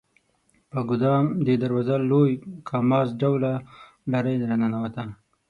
په ګدام د دروازه یو لوی کاماز ډوله لارۍ راننوته.